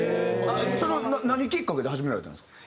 それは何きっかけで始められたんですか？